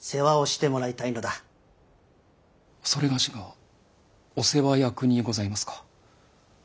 それがしがお世話役にございますか。